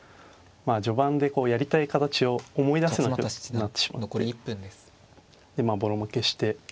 まあ序盤でやりたい形を思い出せなくなってしまってでまあボロ負けして。